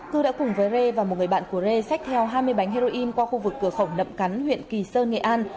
cư đã cùng với rê và một người bạn của rê xác theo hai mươi bánh heroin qua khu vực cửa khẩu nậm cắn huyện kỳ sơn nghệ an